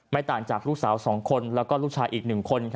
ไม่ต่างจากลูกสาวสองคนและลูกชายอีกหนึ่งคน